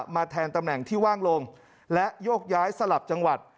แทนตำแหน่งที่ว่างลงและโยกย้ายสลับจังหวัด